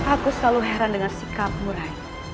aku selalu heran dengan sikapmu rai